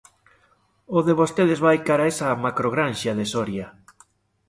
O de vostedes vai cara a esa macrogranxa de Soria.